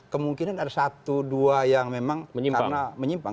kemungkinan ada satu dua yang memang menyimpan